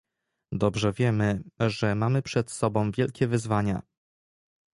Dobrze wiemy, że mamy przed sobą wielkie wyzwania